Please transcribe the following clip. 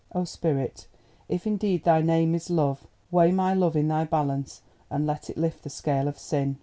Oh, Spirit, if indeed thy name is Love, weigh my love in thy balance, and let it lift the scale of sin.